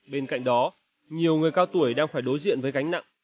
bên cạnh đó nhiều người cao tuổi đang phải đối diện với gánh nặng